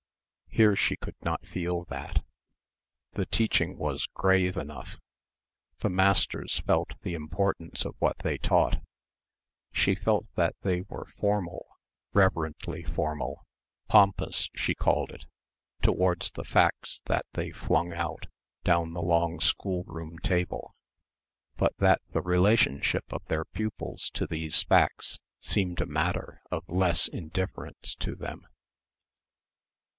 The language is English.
Here she could not feel that. The teaching was grave enough. The masters felt the importance of what they taught ... she felt that they were formal, reverently formal, "pompous" she called it, towards the facts that they flung out down the long schoolroom table, but that the relationship of their pupils to these facts seemed a matter of less than indifference to them.